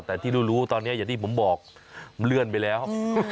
แต่ที่รู้ตอนนี้อย่างที่ผมบอกมันเลื่อนไปแล้ว